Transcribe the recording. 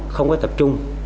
không có tập trung